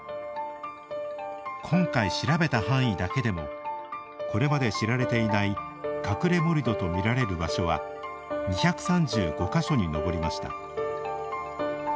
今回調べた範囲だけでもこれまで知られていない「隠れ盛土」と見られる場所は２３５か所に上りました。